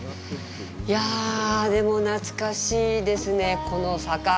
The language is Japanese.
いや、でも懐かしいですね、この坂。